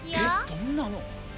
えっどんなの？